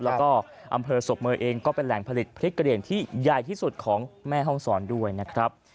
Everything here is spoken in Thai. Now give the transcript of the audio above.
แล้วก็อำเภอศพเมย์เองก็เป็นแหล่งผลิตพริกกระเหลี่ยงที่ใหญ่ที่สุดของแม่ห้องศรด้วยนะครับ